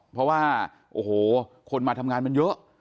เพราะว่าโอ้โหคนมาทำงานมันเยอะ